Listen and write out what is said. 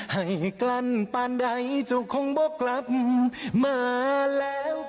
ให้กลั้นปานใดเจ้าคงบอกกลับมาแล้ว